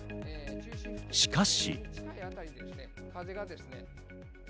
しかし。